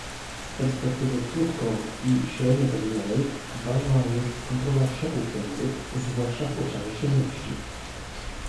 Z perspektywy krótko- i średnioterminowej ważna jest kontrola szoków cenowych, zwłaszcza w obszarze żywności